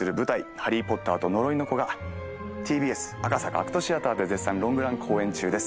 「ハリー・ポッターと呪いの子」がＴＢＳ赤坂ＡＣＴシアターで絶賛ロングラン公演中です